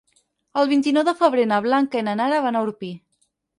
El vint-i-nou de febrer na Blanca i na Nara van a Orpí.